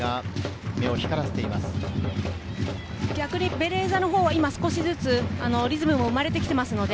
逆にベレーザは少しずつリズムも生まれてきています。